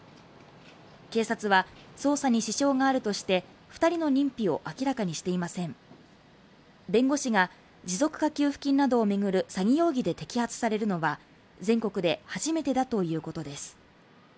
警察は、捜査に支障があるとして２人の認否を明らかにしていません弁護士が持続化給付金などを巡る詐欺容疑で摘発されるのは、全国で初めてだということです。